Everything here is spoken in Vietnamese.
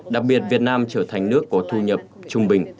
đặc biệt việt nam trở thành nước có thu nhập trung bình